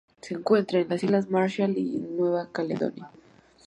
Se encuentran en las Islas Marshall y Nueva Caledonia.